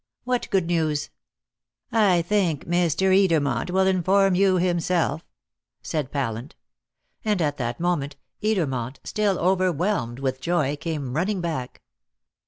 "What good news?" "I think Mr. Edermont will inform you himself," said Pallant. And at that moment Edermont, still overwhelmed with joy, came running back.